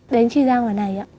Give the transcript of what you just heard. đến tri giang ở này ạ